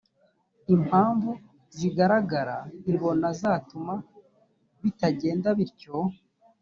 impamvu zigaragara ibona zatuma bitagenda bityo